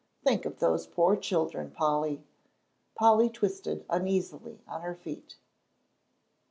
Think of those poor children, Polly." Polly twisted uneasily on her feet.